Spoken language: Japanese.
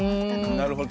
なるほど。